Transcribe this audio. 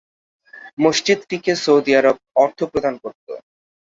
মসজিদটিকে Saudi আরব অর্থ প্রদান করত।